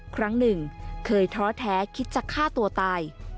ครั้งหนึ่งเคยท้อแท้คิดจะฆ่าตัวตาย